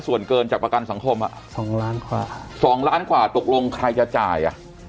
ส่วนเกินจากประกันสังคมอ่ะสองล้านกว่าสองล้านกว่าตกลงใครจะจ่ายอ่ะ